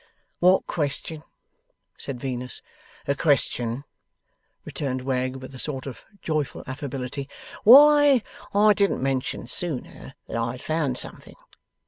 'What question?' said Venus. 'The question,' returned Wegg, with a sort of joyful affability, 'why I didn't mention sooner, that I had found something.